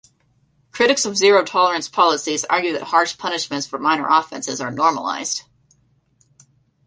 Critics of zero-tolerance policies argue that harsh punishments for minor offences are normalized.